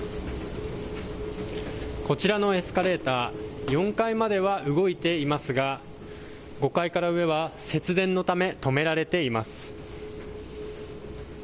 こちらのエスカレーター４階までは動いていますが５階から上は節電のため止められています。